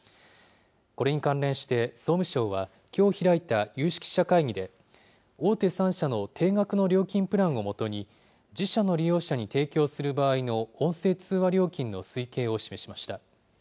これに関連して、総務省は、きょう開いた有識者会議で、大手３社の定額の料金プランを基に、自社の利用者に提供する場合の音声通話料金の推計を示しました。